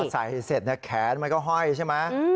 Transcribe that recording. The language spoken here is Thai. ใส่เสร็จแขนมันก็ห้อยใช่ไหม